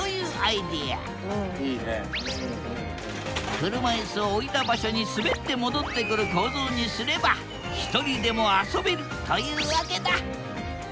車いすを置いた場所にすべって戻ってくる構造にすればひとりでも遊べるというわけだ。